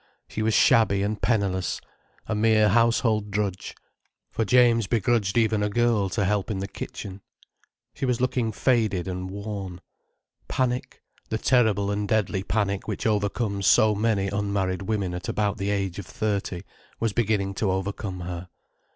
She was shabby and penniless, a mere household drudge: for James begrudged even a girl to help in the kitchen. She was looking faded and worn. Panic, the terrible and deadly panic which overcomes so many unmarried women at about the age of thirty, was beginning to overcome her.